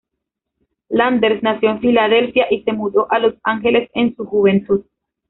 Landers nació en Filadelfia y se mudó a Los Ángeles en su juventud.